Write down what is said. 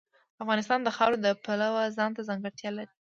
افغانستان د خاوره د پلوه ځانته ځانګړتیا لري.